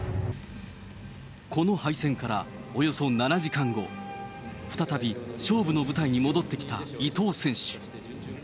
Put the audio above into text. この敗戦からおよそ７時間後、再び、勝負の舞台に戻ってきた伊藤選手。